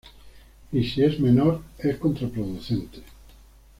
Y si es menor, es contraproducente.